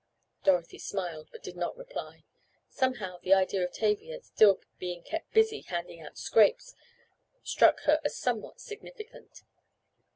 Dorothy smiled but did not reply. Somehow the idea of Tavia still being kept busy "handing out scrapes" struck her as somewhat significant.